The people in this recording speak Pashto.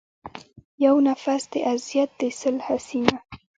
يو نٙفٙس د اذيت دې سل حسينه